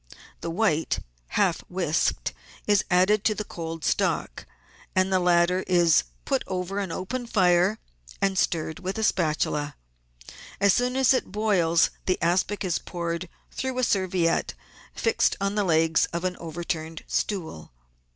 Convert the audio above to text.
The white, half whisked, is added to the cold stock, and the latter is put over an open fire and stirred with a spatula. As soon as it boils the aspic is poured through a serviette fixed on to SAVOURY JELLIES OR ASPICS 63 the legs of an overturned stool.